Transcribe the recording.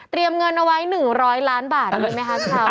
เตรียมเงินเอาไว้๑๐๐ล้านบาทเห็นไหมครับเช้า